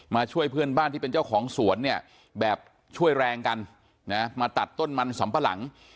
ช่วยเพื่อนบ้านที่เป็นเจ้าของสวนเนี่ยแบบช่วยแรงกันนะมาตัดต้นมันสำปะหลัง